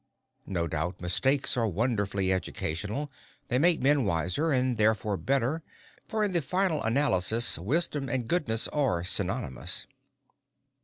No doubt mistakes are wonderfully educational; they make men wiser, and therefore better, for in the final analysis wisdom and goodness are synonymous.